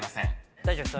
大丈夫です。